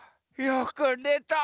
よくねた。